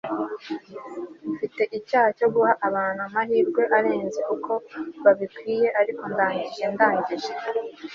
mfite icyaha cyo guha abantu amahirwe arenze uko bakwiriye ariko ndangije, ndangije